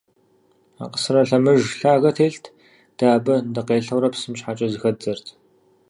Акъсырэ лъэмыж лъагэ телът, дэ абы дыкъелъэурэ псым щхьэкӏэ зыхэддзэрт.